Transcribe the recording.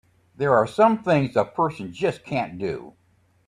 There are some things a person just can't do!